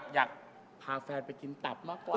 อยากพาแฟนไปกินตับมากกว่า